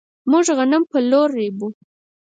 موږ غنم په لور ريبو.